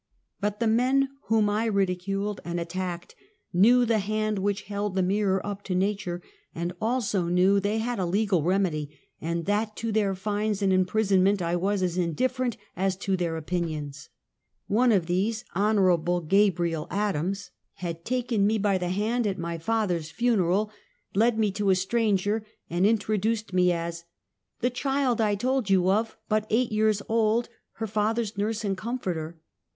But the men whom I ridiculed and attacked knew the hand which held the mirror up to nature, and also knew they had a legal remedy, and that to their fines and imprisonment I was as indifierent as to their opin ions. One of these, Hon. Gabriel Adams, had taken Mexican War Letters. 95 me by the hand at father's funeral, led me to a stranger and introduced me as: " The child I told you of, but eight years old, her father's nurse and comforter."